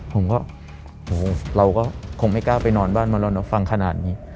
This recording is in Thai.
ผมก็เราก็คงไม่กล้าไปนอนบ้านมันแล้วนะฟังขนาดนี้